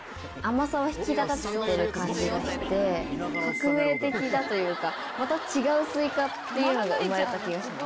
感じがして革命的だというかまた違うスイカっていうのが生まれた気がします。